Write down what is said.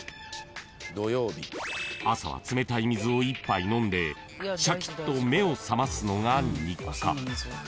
［朝は冷たい水を１杯飲んでシャキッと目を覚ますのが日課］